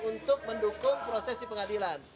untuk mendukung proses di pengadilan